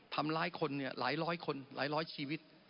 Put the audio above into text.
ทำร้ายคนเนี่ยหลายร้อยคนหลายร้อยชีวิต